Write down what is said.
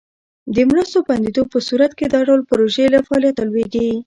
د مرستو بندیدو په صورت کې دا ډول پروژې له فعالیته لویږي.